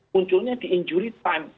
munculnya di injury time